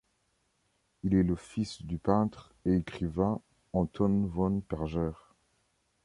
Il est le fils du peintre et écrivain Anton von Perger.